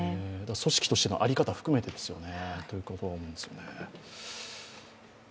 組織としての在り方含めてですよね。